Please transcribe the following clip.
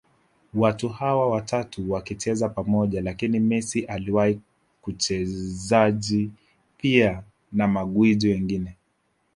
watu hawa watatu wakicheza pamoja Lakini Messi aliwahi kuchezaji pia na magwiji wengine